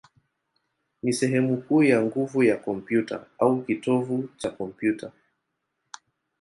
ni sehemu kuu ya nguvu ya kompyuta, au kitovu cha kompyuta.